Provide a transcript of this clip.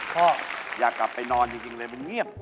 พ่ออยากกลับไปนอนจริงเลยมันเงียบ